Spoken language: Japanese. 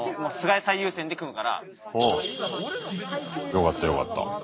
よかったよかった。